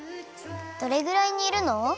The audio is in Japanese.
どれぐらいにるの？